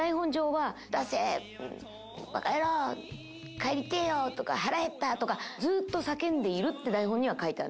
「帰りてぇよ！」とか「腹減った！」とか「ずっと叫んでいる」って台本には書いてある。